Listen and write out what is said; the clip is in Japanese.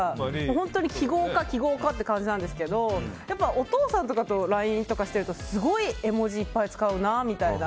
本当に記号化って感じなんですけどお父さんとかとＬＩＮＥとかしているとすごい絵文字いっぱい使うなっていう。